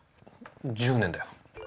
１０年だよ。